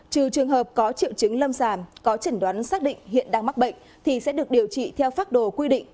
trừ trường hợp có triệu chứng lâm sàng có chẩn đoán xác định hiện đang mắc bệnh thì sẽ được điều trị theo phác đồ quy định